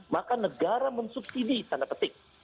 maka negara mensubsidi tanda petik